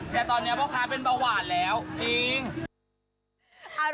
แต่ตอนนี้พ่อค้าเป็นเบาหวานแล้วจริง